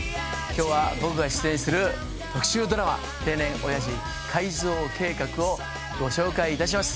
きょうは僕は主演する特集ドラマ「定年オヤジ改造計画」をご紹介いたします。